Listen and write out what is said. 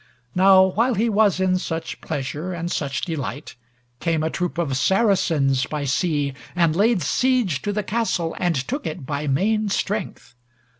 Now while he was in such pleasure and such delight, came a troop of Saracens by sea, and laid siege to the castle and took it by main strength.